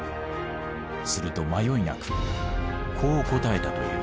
すると迷いなくこう答えたという。